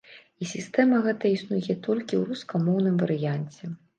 І сістэма гэта існуе толькі ў рускамоўным варыянце.